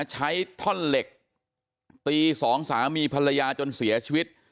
ใช้ท่อนเหล็กตีสองสามีภรรยาจนเสียชีวิต